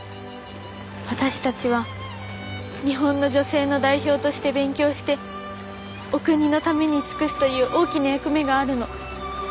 私たちは日本の女性の代表として勉強してお国のために尽くすという大きな役目があるの。